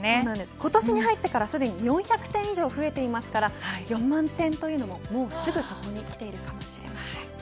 今年に入ってからすでに４００点以上増えていますから４万点も、もうすぐそこに来ているかもしれません。